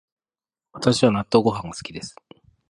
私は納豆ご飯が好きです